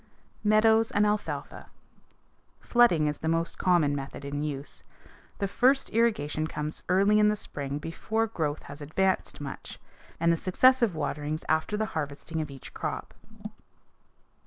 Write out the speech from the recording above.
Meadows and alfalfa. Flooding is the most common method in use. The first irrigation comes early in the spring before growth has advanced much, and the successive waterings after the harvesting of each crop.